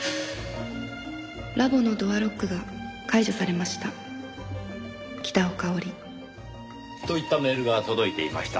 「ラボのドアロックが解除されました」「北尾佳織」といったメールが届いていました。